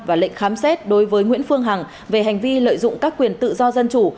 và lệnh khám xét đối với nguyễn phương hằng về hành vi lợi dụng các quyền tự do dân chủ